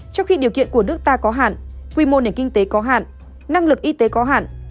trong khi điều kiện của nước ta có hạn quy mô nền kinh tế có hạn năng lực y tế có hạn